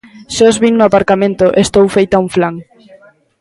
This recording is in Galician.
Xa os vin no aparcamento e estou feita un flan.